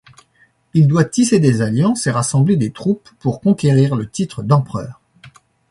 Il doit tisser des alliances et rassembler des troupes pour conquérir le titre d'empereur.